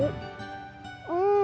gak jelas di kanan